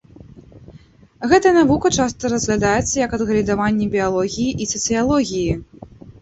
Гэтая навука часта разглядаецца як адгалінаванне біялогіі і сацыялогіі.